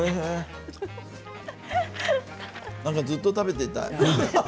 ずっと食べていたい。